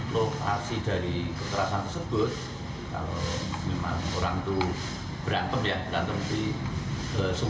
lokasi dari keterangan tersebut